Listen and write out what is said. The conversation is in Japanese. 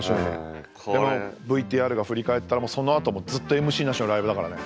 でもうＶＴＲが振り返ったらそのあとずっとＭＣなしのライブだからね。